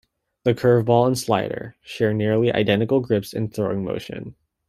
The curveball and slider share nearly identical grips and throwing motion.